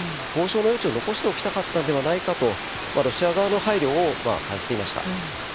交渉の余地を残しておきたかったのではないかとロシア側の配慮を感じていました。